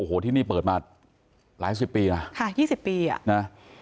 โอ้โหที่นี่เปิดมาหลายสิบปีนะค่ะ๒๐ปีอ่ะนะ